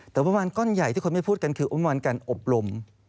แต่งบประมาณก้อนใหญ่ที่คนไม่พูดกันคือประมาณการอบรม